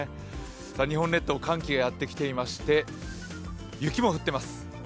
日本列島、寒気がやってきていまして、雪も降っています。